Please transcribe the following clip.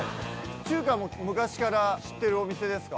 中華も昔から知ってるお店ですか？